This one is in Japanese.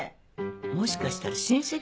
もしかしたら親戚？